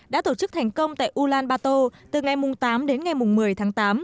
đã tổ chức thành công tại ulan bato từ ngày tám đến ngày một mươi tháng tám